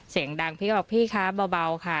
เสียงดังพี่ก็บอกพี่คะเบาค่ะ